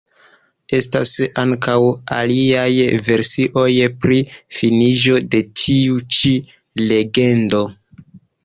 Estas ankaŭ aliaj versioj pri finiĝo de tiu ĉi legendo.